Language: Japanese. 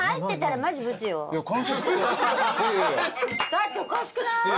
だっておかしくない？